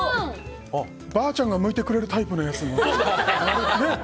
ばあちゃんが剥いてくれるタイプのやつ。